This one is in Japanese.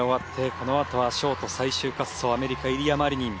このあとはショート最終滑走アメリカイリア・マリニン。